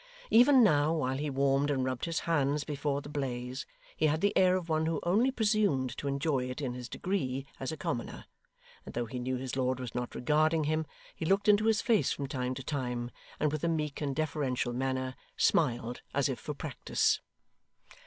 Even now, while he warmed and rubbed his hands before the blaze, he had the air of one who only presumed to enjoy it in his degree as a commoner; and though he knew his lord was not regarding him, he looked into his face from time to time, and with a meek and deferential manner, smiled as if for practice.